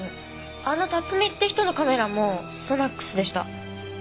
あの辰巳って人のカメラもＳＯＮＡＣＳでした。